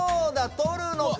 とるのか？